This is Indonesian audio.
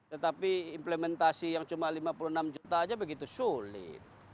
tetapi implementasi yang cuma lima puluh enam juta aja begitu sulit